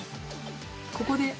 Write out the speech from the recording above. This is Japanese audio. ここで。